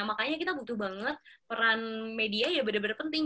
makanya kita butuh banget peran media ya benar benar penting